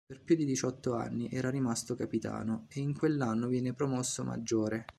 Per più di diciotto anni era rimasto capitano e in quell'anno viene promosso maggiore.